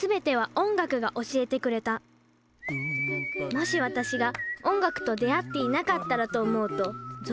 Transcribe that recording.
もし私が音楽と出会っていなかったらと思うとゾッとします。